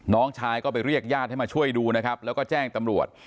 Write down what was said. น้องชายก็ไปเรียกญาติให้มาช่วยดูนะครับแล้วก็แจ้งตำรวจ